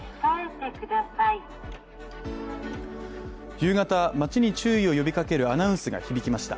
夕方、町に注意を呼びかけるアナウンスが響きました。